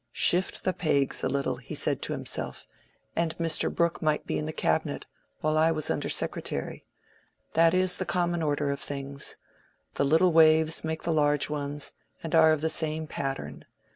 "Shift the pegs a little," he said to himself, "and Mr. Brooke might be in the Cabinet, while I was Under Secretary. That is the common order of things: the little waves make the large ones and are of the same pattern.